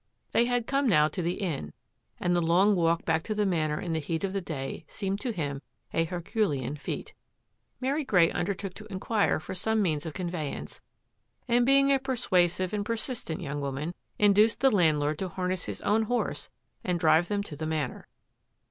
They had come now to the inn, and the long walk back to the Manor in the heat of the day seemed to him a Herculean feat. Mary Grey undertook to inquire for some means of conveyance, and being a persuasive and per sistent young woman, induced the landlord to harness his own horse and drive them to the Manor.